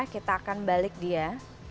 kita akan balik dia